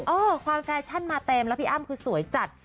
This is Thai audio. ความแฟชั่นมาเต็มแล้วพี่อ้ำคือสวยจัด